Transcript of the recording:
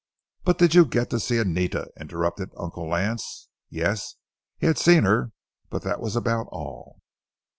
"But did you get to see Anita?" interrupted Uncle Lance. Yes, he had seen her, but that was about all.